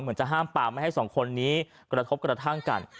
จะห้ามปามไม่ให้สองคนนี้กระทบกระทั่งกัน